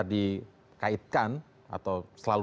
dikaitkan atau selalu